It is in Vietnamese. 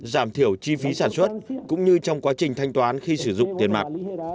giảm thiểu chi phí sản xuất cũng như trong quá trình thanh toán khi sử dụng tiền mặt